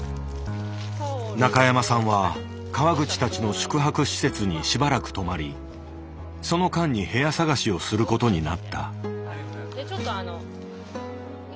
中山さんは川口たちの宿泊施設にしばらく泊まりその間に部屋探しをすることになった。